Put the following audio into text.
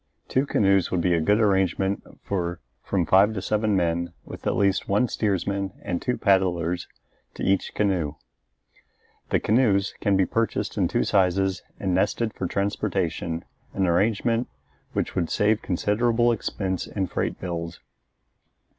Two canoes would be a good arrangement for from five to seven men, with at least one steersman and two paddlers to each canoe. The canoes can be purchased in two sizes and nested for transportation, an arrangement which would save considerable expense in freight bills.